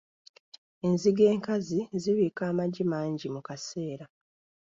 Enzige enkazi zibiika amagi mangi mu kaseera.